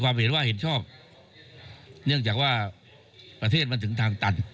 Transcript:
เห็นว่าเห็นชอบเนื่องจากว่าประเทศมันถึงทางตัน